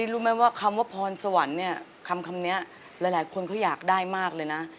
รู้ไหมว่าคำว่าพรสวรรค์เนี่ยคำนี้หลายคนเขาอยากได้มากเลยนะ